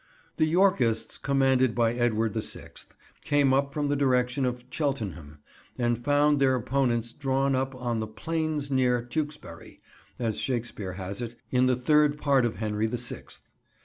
The Yorkists, commanded by Edward the Sixth, came up from the direction of Cheltenham and found their opponents drawn up on the "plains near Tewkesbury," as Shakespeare has it, in the Third Part of Henry the Sixth.